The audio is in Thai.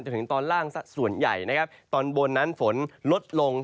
ถึงตอนล่างสักส่วนใหญ่นะครับตอนบนนั้นฝนลดลง